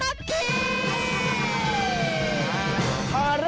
เฮยกตำบล